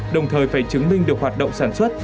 đồng thời phải chứng minh được hoạt động sản xuất